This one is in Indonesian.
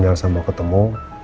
siapapun yang elsa mau ketemu